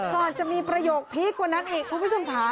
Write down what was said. ก่อนจะมีประโยคพี่กวนัดเอกคุณผู้ชมพา